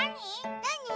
なに？